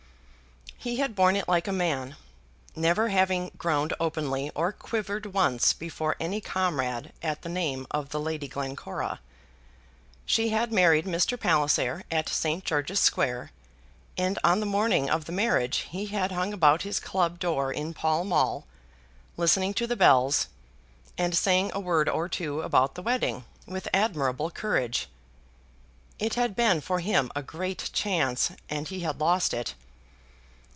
He had borne it like a man, never having groaned openly, or quivered once before any comrade at the name of the Lady Glencora. She had married Mr. Palliser at St. George's Square, and on the morning of the marriage he had hung about his club door in Pall Mall, listening to the bells, and saying a word or two about the wedding, with admirable courage. It had been for him a great chance, and he had lost it.